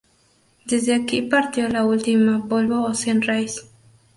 Desde aquí partió la última Volvo Ocean's Race.